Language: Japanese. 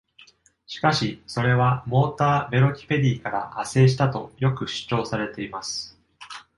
しかし、それはモーター・ベロキペディから派生したとよく主張されています。